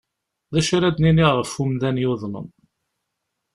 D acu ara d-nini ɣef umdan yuḍnen?